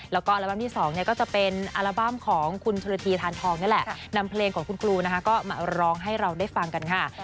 แล้วก็อัลบั้มที่๒ก็จะเป็นอัลบั้มของคุณชนธีทานทองนี่แหละนำเพลงของคุณครูนะคะก็มาร้องให้เราได้ฟังกันค่ะ